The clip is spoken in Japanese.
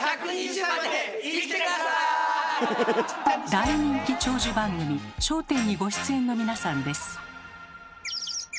大人気長寿番組「笑点」にご出演の皆さんです。